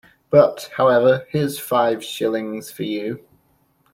But, however, here's five shillings for you.